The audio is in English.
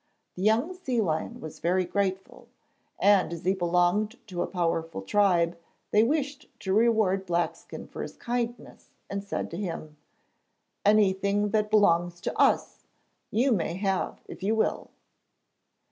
The young sea lion was very grateful, and as he belonged to a powerful tribe they wished to reward Blackskin for his kindness, and said to him: 'Anything that belongs to us, you may have if you will.'